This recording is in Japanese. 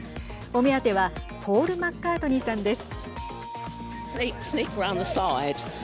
お目当てはポール・マッカートニーさんです。